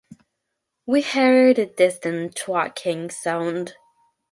We heard a distant thwacking sound.